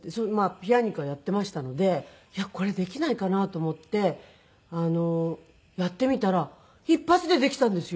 ピアニカはやっていましたのでこれできないかなと思ってやってみたら一発でできたんですよ。